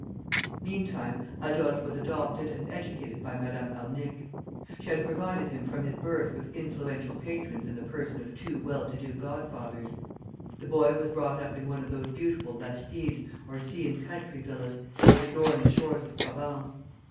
Meantime Adolphe was adopted and educated by Madame Arnic. She had provided him from his birth with influential patrons in the persons of two well to do godfathers. The boy was brought up in one of those beautiful bastides, or sea and country villas, which adorn the shores of Provence.